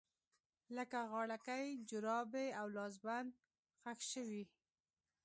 لکه غاړکۍ، جرابې او لاسبند ښخ شوي